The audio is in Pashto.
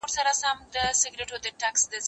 هغه وويل چي پوښتنه مهمه ده؟!